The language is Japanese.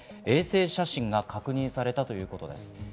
衛星写真が確認されたということです。